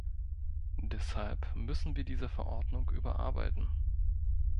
Deshalb müssen wir diese Verordnung überarbeiten.